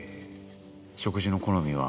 食事の好みは？